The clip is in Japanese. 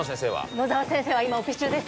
野沢先生は今オペ中です